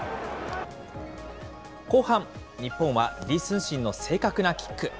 後半、日本は李承信の正確なキック。